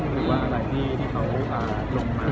หรือว่าอะไรที่เขาลงมา